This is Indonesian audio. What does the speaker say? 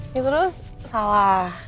ya terus salah